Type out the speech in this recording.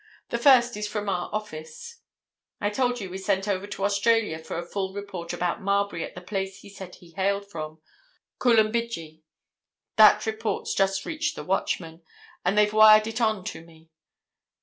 The first is from our office. I told you we sent over to Australia for a full report about Marbury at the place he said he hailed from—Coolumbidgee. That report's just reached the Watchman, and they've wired it on to me.